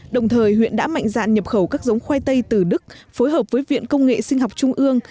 đồng thời huyện đã mạnh dạn nhập khẩu các giống khoai tây từ đức phối hợp với viện công nghệ sinh học trung ương